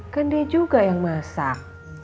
kan dia juga yang masak